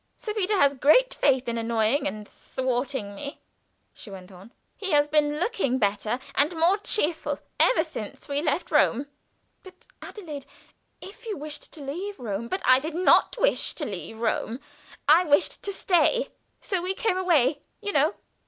"Sir Peter has great faith in annoying and thwarting me," she went on. "He has been looking better and more cheerful ever since we left Rome." "But Adelaide if you wished to leave Rome " "But I did not wish to leave Rome. I wished to stay so we came away, you know."